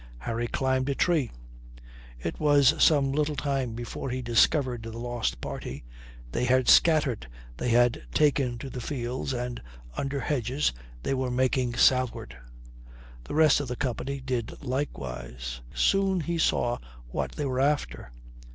Harry climbed a tree. It was some little time before he discovered the lost party. They had scattered, they had taken to the fields and, under hedges, they were making southward. The rest of the company did likewise. Soon he saw what they were after.